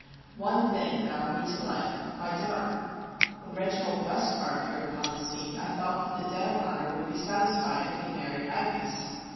One thing bound me to life—my daughter. When Reginald Westcar appeared upon the scene I thought that the debt of honor would be satisfied if he married Agnes.